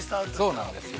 ◆そうなんですよ。